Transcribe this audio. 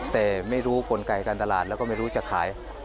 แต่ไม่รู้กลไกการตลาดแล้วก็ไม่รู้จะขาย